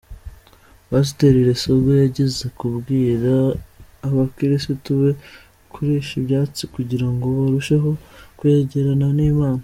Pasiteri Lesego yigeze kubwira abakirisitu be kurisha ibyatsi kugira ngo barusheho kwegerana n’Imana.